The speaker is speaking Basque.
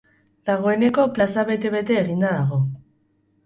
Dagoeneko plaza bete-bete eginda dago.